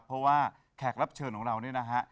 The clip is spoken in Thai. เพราะว่าแขกรับเชิญของเราเนี่ยนะฮะ